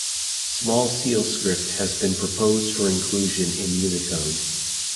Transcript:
Small Seal Script has been proposed for inclusion in Unicode.